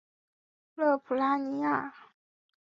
勒普拉尼亚。